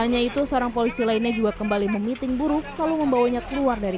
hanya itu seorang polisi lainnya juga kembali memiting buruh lalu membawanya keluar dari